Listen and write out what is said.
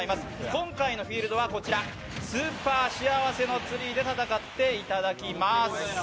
今回のフィールドはこちら、「スーパーしあわせのツリー」で戦っていただきます。